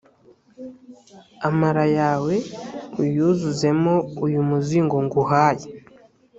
amara yawe uyuzuzemo uyu muzigo nguhaye.